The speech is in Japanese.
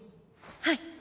はい。